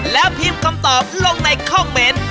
แล้วพิมพ์คำตอบลงในคอมเมนต์